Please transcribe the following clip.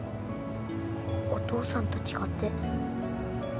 お父さんと違って。